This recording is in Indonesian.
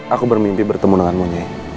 aku bermimpi bertemu denganmu nyai